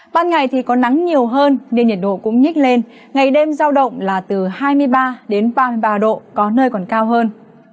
ban ngày thì có nắng nhiều hơn nên nhiệt độ cũng nhích lên ngày đêm giao động là từ hai mươi ba đến ba mươi ba độ có nơi còn cao hơn